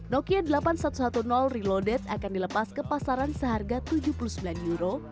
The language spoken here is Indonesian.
nokia delapan ribu satu ratus sepuluh reloded akan dilepas ke pasaran seharga tujuh puluh sembilan euro